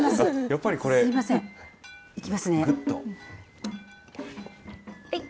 いきますね。